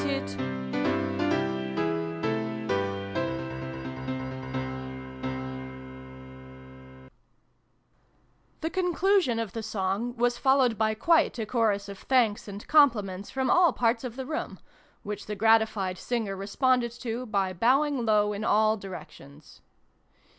249 The conclusion of the song was followed by quite a chorus of thanks and compliments from all parts of the room, which the gratified singer responded to by bowing low in all directions.